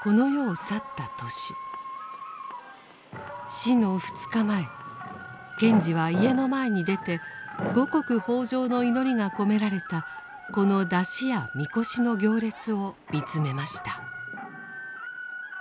死の２日前賢治は家の前に出て五穀豊穣の祈りが込められたこの山車や神輿の行列を見つめました。